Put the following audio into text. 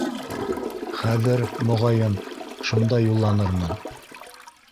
Хәҙер, моға йын, шунда юлланырмын